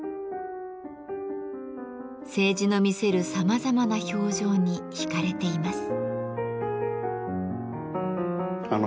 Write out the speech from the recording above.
青磁の見せるさまざまな表情に引かれています。